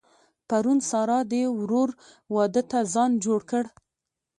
پرون سارا د ورور واده ته ځان جوړ کړ.